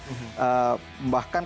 bahkan kekal kekal ini